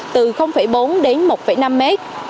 từ bốn đến một năm mét